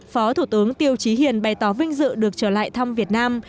phó thủ tướng tiêu trí hiền bày tỏ vinh dự được trở lại thăm việt nam